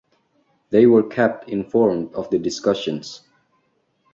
They were kept informed of the discussions.